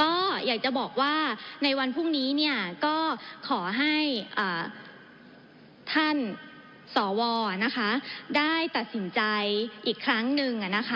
ก็อยากจะบอกว่าในวันพรุ่งนี้ก็ขอให้ท่านสวได้ตัดสินใจอีกครั้งหนึ่ง